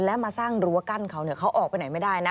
และมาสร้างรั้วกั้นเขาเขาออกไปไหนไม่ได้นะ